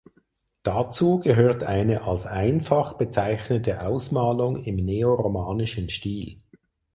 Dazu gehört eine als „einfach“ bezeichnete Ausmalung im neoromanischen Stil.